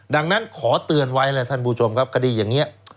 ดังนั้นขอเตือนไว้แล้วท่านผู้ชมครับคดีอย่างนี้